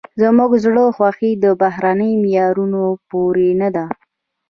زموږ زړه خوښي د بهرني معیارونو پورې نه ده.